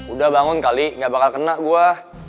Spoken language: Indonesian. udah bangun kali gak bakal kena gue